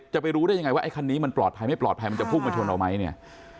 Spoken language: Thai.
จะไปรู้ได้ยังไงว่าไอ้คันนี้มันปลอดภัยไม่ปลอดภัยมันจะพุ่งมาชนเราไหมเนี่ย